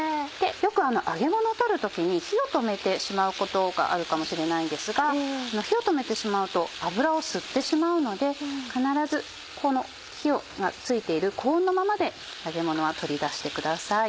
よく揚げものを取る時に火を止めてしまうことがあるかもしれないんですが火を止めてしまうと油を吸ってしまうので必ずこの火がついている高温のままで揚げものは取り出してください。